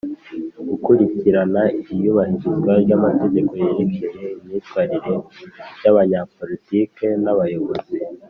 gukurikirana iyubahirizwa ry’amategeko yerekeye imyitwarire y’abanyapolitiki n’abayobozi;